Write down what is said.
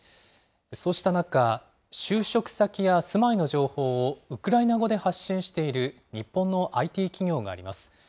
そうした中、就職先や住まいの情報をウクライナ語で発信している日本のＩＴ企業があります。